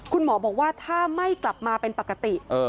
คุณหมอบอกว่าถ้าไม่กลับมาเป็นปกติ